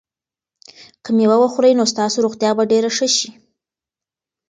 که مېوه وخورئ نو ستاسو روغتیا به ډېره ښه شي.